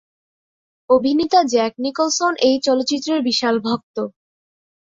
অভিনেতা Jack Nicholson এই চলচ্চিত্রের বিশাল ভক্ত।